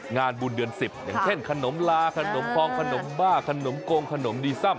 งานบุญเดือน๑๐อย่างเช่นขนมลาขนมพองขนมบ้าขนมโกงขนมดีซัม